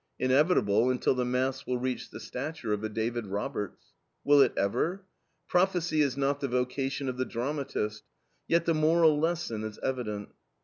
Inevitable, until the mass will reach the stature of a David Roberts. Will it ever? Prophecy is not the vocation of the dramatist, yet the moral lesson is evident.